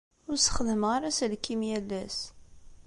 Ur ssexdameɣ ara aselkim yal ass.